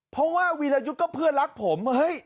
เพราะว่าวีรยุทธ์ก็เพื่อนรักผมเฮ้ย